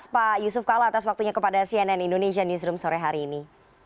pak yusuf kalla atas waktunya kepada cnn indonesia newsroom sore hari ini